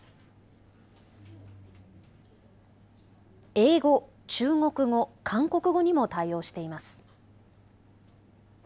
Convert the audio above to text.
英語、中国語、韓国語にも対応しています。